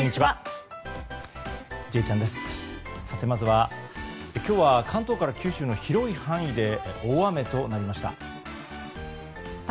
まずは、今日は関東から九州の広い範囲で大雨となりました。